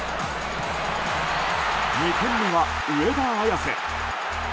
２点目は上田綺世。